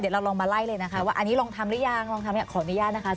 เดี๋ยวเราลองมาไล่เลยนะคะว่าอันนี้ลองทำหรือยังลองทำขออนุญาตนะคะ